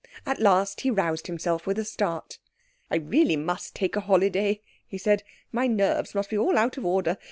At last he roused himself with a start. "I really must take a holiday," he said; "my nerves must be all out of order.